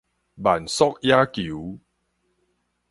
慢速野球